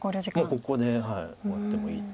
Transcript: もうここで終わってもいいって。